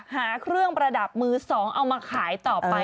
หาเครื่องประดับมือ๒เอามาขายต่อไป